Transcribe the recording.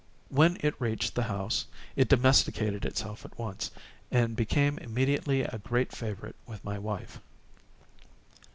When it reached the house it domesticated itself at once, and became immediately a great favorite with my wife.